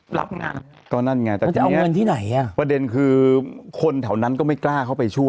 รับงานก็นั่นไงแต่จะเอาเงินที่ไหนอ่ะประเด็นคือคนแถวนั้นก็ไม่กล้าเข้าไปช่วย